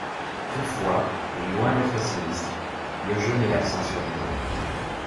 Toutefois, loin d'être sinistre, le jeu met l'accent sur l'humour.